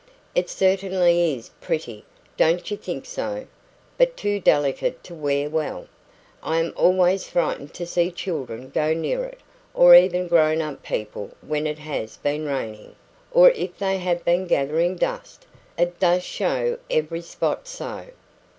It certainly is very pretty don't you think so? But too delicate to wear well. I am always frightened to see children go near it, or even grown up people when it has been raining, or if they have been gathering dust it does show every spot so!